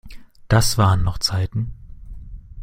Das waren noch Zeiten!